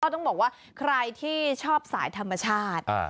ต้องบอกว่าใครที่ชอบสายธรรมชาติ